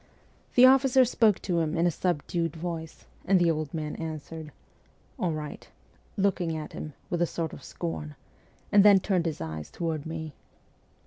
The officer spoke to him in a subdued voice, and the old man answered, ' All right,' looking at! him with a sort of scorn, and then turned his eyes toward me.